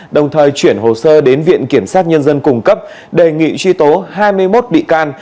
đồng thời chuyển hồ sơ đến viện kiểm sát nhân dân cung cấp đề nghị truy tố hai mươi một bị can